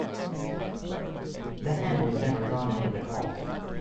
The hen was never drawn into the cult.